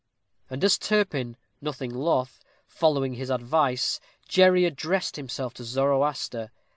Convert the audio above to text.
And as Turpin, nothing loth, followed his advice, Jerry addressed himself to Zoroaster.